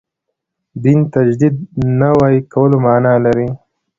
دین تجدید نوي کولو معنا لري.